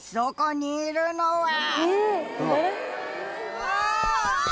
うわ！